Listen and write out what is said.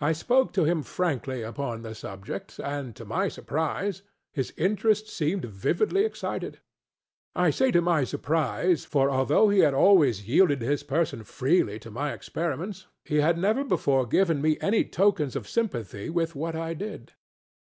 I spoke to him frankly upon the subject; and, to my surprise, his interest seemed vividly excited. I say to my surprise, for, although he had always yielded his person freely to my experiments, he had never before given me any tokens of sympathy with what I did.